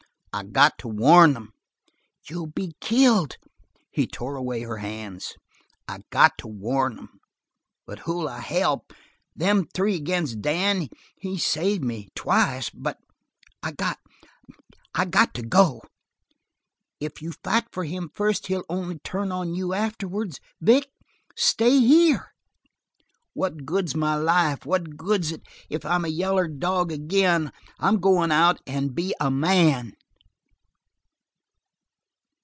"I got to warn them." "You'll be killed!" He tore away her hands. "I got to warn them but who'll I help? Them three against Dan? He saved me twice! But I got. I got to go." "If you fight for him first he'll only turn on you afterwards. Vic, stay here." "What good's my life? What good's it if I'm a yaller dog ag'in? I'm goin' out and be a man!"